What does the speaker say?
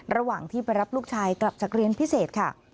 ระหว่างที่ไปรับลูกชายกลับจากเรียนพิเศษค่ะ